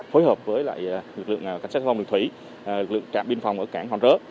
phối hợp với lực lượng cảnh sát giao thông lực thủy lực lượng trạm binh phòng ở cảng hòn rớ